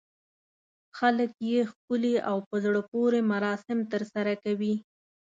خلک یې ښکلي او په زړه پورې مراسم ترسره کوي.